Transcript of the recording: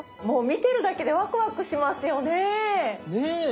もう見てるだけでワクワクしますよね。ね。